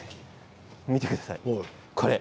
見てください。